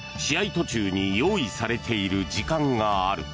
途中に用意されている時間がある。